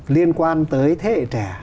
liên quan tới thế hệ trẻ